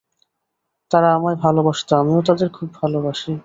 তারা আমায় ভালবাসত, আমিও তাদের খুব ভালবাসি।